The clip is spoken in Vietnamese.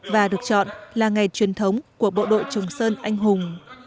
và được chọn là ngày truyền thống của bộ đội trường sơn anh hùng